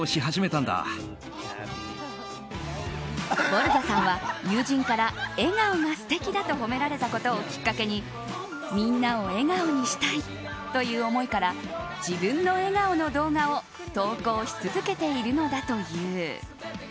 ボルザさんは友人から笑顔が素敵だと褒められたことをきっかけにみんなを笑顔にしたいという思いから自分の笑顔の動画を投稿し続けているのだという。